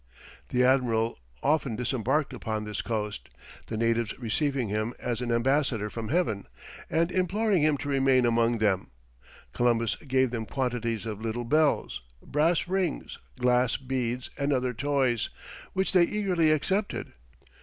The admiral often disembarked upon this coast, the natives receiving him as an ambassador from heaven, and imploring him to remain among them. Columbus gave them quantities of little bells, brass rings, glass beads, and other toys, which they eagerly accepted.